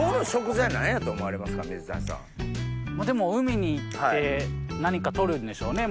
まぁでも海に行って何か取るんでしょうね